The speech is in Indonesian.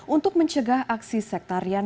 untuk mencegah aksi sektarian